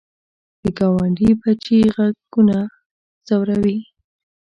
د ګاونډي بچي غږ ونه ځوروې